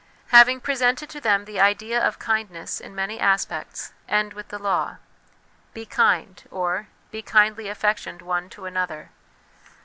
Having presented to them the idea of kindness in many aspects, end with the law: Be kind, or, "Be kindly affectioned one to another."